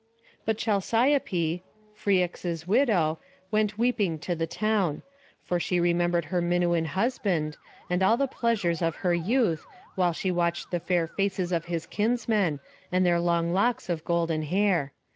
But Chalciope, Phrixus's widow, went weeping to the town; for she remembered her Minuan husband, and all the pleasures of her youth, while she watched the fair faces of his kinsmen, and their long locks of golden hair.